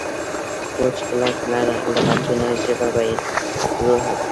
وچ کلک لغتونه ژبه بې روحه کوي.